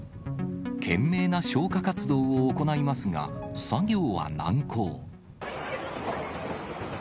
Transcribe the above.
懸命な消火活動を行いますが、作業は難航。